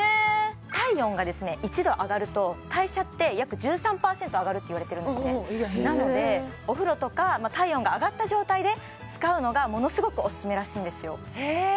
体温が１度上がると代謝って約１３％上がるっていわれてるんですねなのでお風呂とか体温が上がった状態で使うのがものすごくオススメらしいんですよ